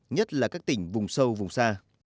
nhất là các tỉnh vùng sâu vùng xa